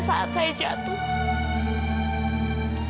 saat saya jatuh